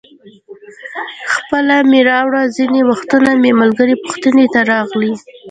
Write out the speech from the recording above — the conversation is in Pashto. خپله مې راوړي، ځینې وختونه مې ملګري پوښتنې ته راځي.